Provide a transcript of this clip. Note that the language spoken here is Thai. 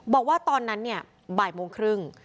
บอกว่าตอนนั้นเนี่ยบ่ายโมงครึ่ง